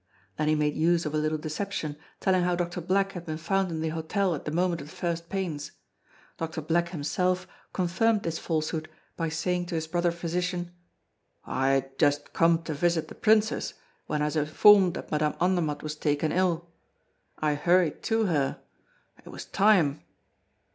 Then he made use of a little deception, telling how Doctor Black had been found in the hotel at the moment of the first pains. Doctor Black himself confirmed this falsehood by saying to his brother physician: "I had just come to visit the Princess when I was informed that Madame Andermatt was taken ill. I hurried to her. It was time!"